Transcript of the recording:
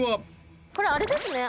これあれですね。